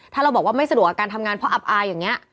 ถ้าเราบอกว่าไม่สะดวกกับการทำงานเพราะอับอายอย่างนี้